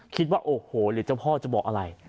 คิดว่าโอ้โหหรือเจ้าพ่อจะบอกอะไร